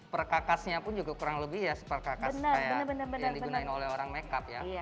perkakasnya pun juga kurang lebih ya perkakas yang digunain oleh orang makeup ya